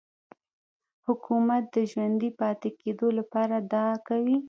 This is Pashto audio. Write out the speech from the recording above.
حکومت د ژوندي پاتې کېدو لپاره دا کوي.